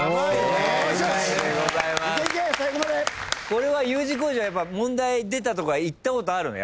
これはＵ字工事はやっぱ問題出たとこは行ったことあるの？